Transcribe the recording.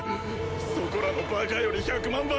そこらのバカより１００万倍